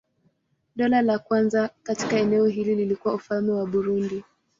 Dola la kwanza katika eneo hili lilikuwa Ufalme wa Burundi.